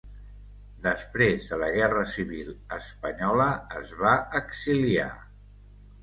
Després de la Guerra Civil Espanyola es va exiliar.